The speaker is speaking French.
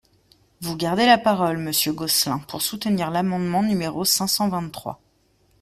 Vous gardez la parole, monsieur Gosselin, pour soutenir l’amendement numéro cinq cent vingt-trois.